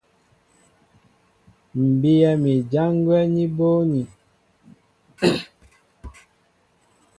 M̀ bíyɛ́ mi ján gwɛ́ ní bóónī.